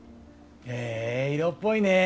へえ色っぽいねぇ。